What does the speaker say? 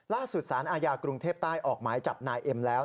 สารอาญากรุงเทพใต้ออกหมายจับนายเอ็มแล้ว